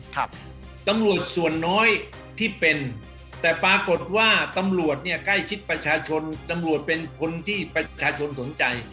ตำรวจส่วนน้อยที่เป็นแต่ปรากฏว่าตำรวจเนี่ยใกล้ชิดประชาชนตำรวจเป็นคนที่ประชาชนสนใจ